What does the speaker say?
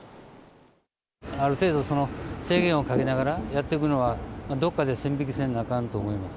ある程度、制限をかけながらやっていくのは、どっかで線引きせんとあかんと思います。